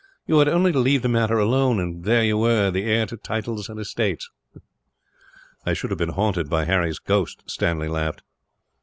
You had only to leave the matter alone, and there you were heir to title and estates." "I should have been haunted by Harry's ghost," Stanley laughed.